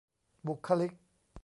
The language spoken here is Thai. บุคลิก